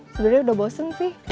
sebenarnya udah bosen sih